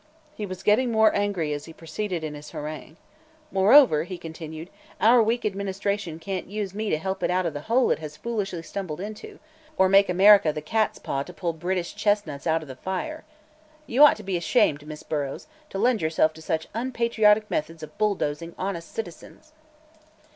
He was getting more angry as he proceeded in his harangue. "Moreover," he continued, "our weak administration can't use me to help it out of the hole it has foolishly stumbled into, or make America the cat's paw to pull British chestnuts out of the fire. You ought to be ashamed, Miss Burrows, to lend yourself to such unpatriotic methods of bulldozing honest citizens!"